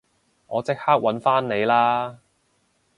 我即刻搵返你啦